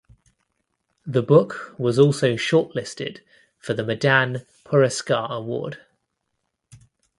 The book was also shortlisted for the Madan Puraskar award.